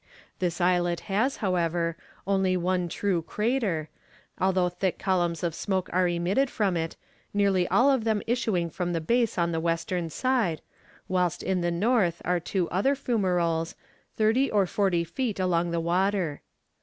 This islet has, however, only one true crater, although thick columns of smoke are emitted from it, nearly all of them issuing from the base on the western side, whilst in the north are two other fumerolles, thirty or forty feet along the water.